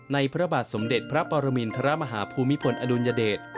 พระบาทสมเด็จพระปรมินทรมาฮาภูมิพลอดุลยเดช